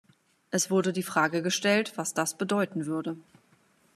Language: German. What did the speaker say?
Es wurde die Frage gestellt, was das bedeuten würde.